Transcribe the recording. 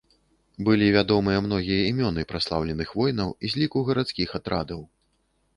Былі вядомыя многія імёны праслаўленых воінаў з ліку гарадскіх атрадаў.